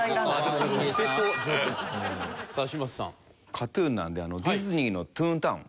ＫＡＴ−ＴＵＮなんでディズニーのトゥーンタウン。